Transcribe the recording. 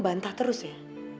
kamu akan sentah terus ya